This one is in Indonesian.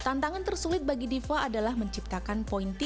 tantangan tersulit bagi diva adalah menciptakan poin tiga